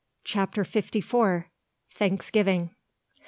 CHAPTER FIFTY FOUR. THANKSGIVING.